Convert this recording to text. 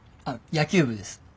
あっ野球部です。